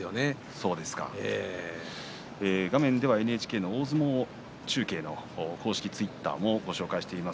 画面ではＮＨＫの大相撲中継の公式ツイッターもご紹介しています。